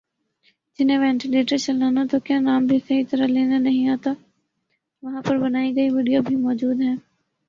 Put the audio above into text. جنہیں وینٹیلیٹر چلانا تو کیا نام بھی صحیح طرح لینا نہیں آتا وہاں پر بنائی گئی ویڈیو بھی موجود ہیں